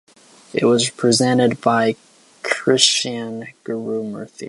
It was presented by Krishnan Guru-Murthy.